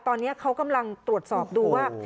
ตอนนี้เขากำลังตรวจสอบดูว่า